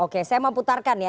oke saya mau putarkan ya